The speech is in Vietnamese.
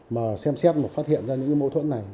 mà xem xét mà phát hiện ra những mâu thuẫn này